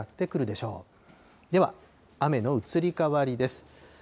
では、雨の移り変わりです。